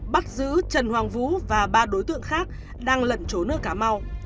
bắt giữ trần hoàng vũ và ba đối tượng khác đang lẩn trốn ở cà mau